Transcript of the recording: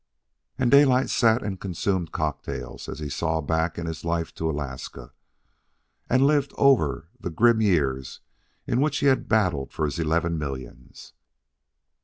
And Daylight sat and consumed cocktails and saw back in his life to Alaska, and lived over the grim years in which he had battled for his eleven millions.